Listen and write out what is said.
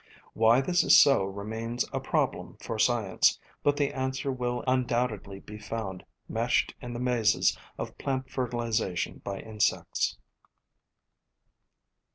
Why this is so remains a problem for science, but the answer will undoubtedly be found meshed in the mazes of plant fertilization by insects.